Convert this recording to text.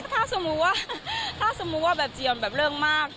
ถ้าสมมุติว่าถ้าสมมุติว่าแบบเจียนแบบเลิกมาก